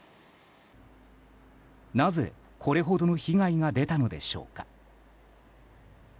なぜ、これほどの被害が出たのでしょうか。